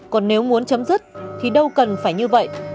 còn nếu muốn chấm dứt thì đâu cần phải như vậy